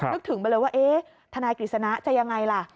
นึกถึงไปเลยว่าทนายกฤษณะจะอย่างไรล่ะ